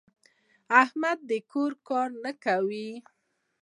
احمد د کور کار نه کوي.